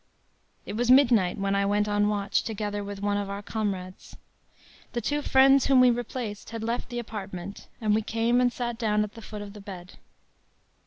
“It was midnight when I went on watch, together with one of our comrades. The two friends whom we replaced had left the apartment, and we came and sat down at the foot of the bed.